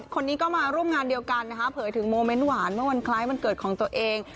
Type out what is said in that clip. คนนี้ก็มาร่วมงานเดียวกันนะคะเผยถึงโมเมนต์หวานเมื่อวันคล้ายวันเกิดของตัวเอง